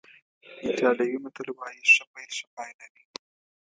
ایټالوي متل وایي ښه پیل ښه پای لري.